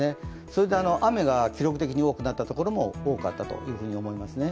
それで雨が記録的に多くなったところも多かったと思いますね。